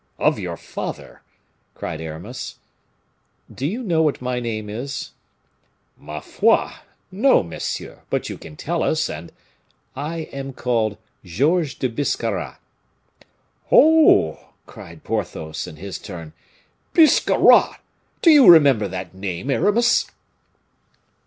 "Of your father?" cried Aramis. "Do you know what my name is?" "Ma foi! no, monsieur; but you can tell us, and " "I am called Georges de Biscarrat." "Oh!" cried Porthos, in his turn. "Biscarrat! Do you remember that name, Aramis?"